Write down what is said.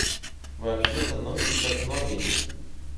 Вообще-то ноги, как ноги.